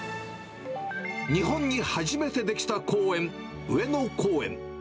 日本に初めて出来た公園、上野公園。